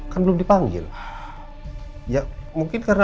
kamu mau ke rumah